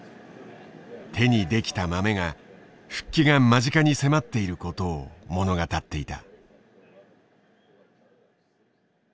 手にできたマメが復帰が間近に迫っていることを物語っていた。